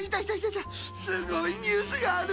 すごいニュースがあるんだよ。